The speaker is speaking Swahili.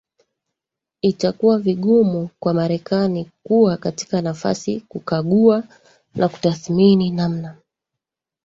itakuwa vigumu kwa marekani kuwa katika nafasi kukagua na kutathmini namna